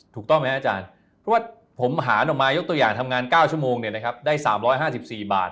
ถูกต้องไหมอาจารย์เพราะว่าผมหารออกมายกตัวอย่างทำงาน๙ชั่วโมงได้๓๕๔บาท